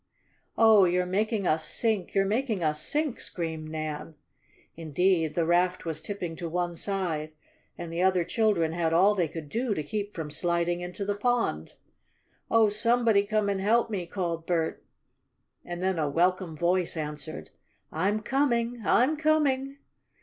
"Oh, you're making us sink. You're making us sink!" screamed Nan. Indeed, the raft was tipping to one side and the other children had all they could do to keep from sliding into the pond. "Oh, somebody come and help me!" called Bert. And then a welcome voice answered: "I'm coming! I'm coming!"